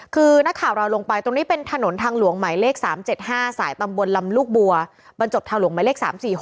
คือนักข่าวเราลงไปตรงนี้เป็นถนนทางหลวงหมายเลข๓๗๕สายตำบลลำลูกบัวบรรจบทางหลวงหมายเลข๓๔๖